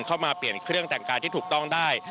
เข้ามาเปลี่ยนเครื่องแต่งกายที่ถูกต้องได้